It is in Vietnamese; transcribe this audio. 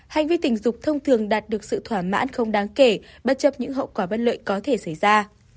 hành vi tình dục thông thường đạt được sự thỏa mãn không đáng kể bất chấp những hậu quả bất lợi có thể xảy ra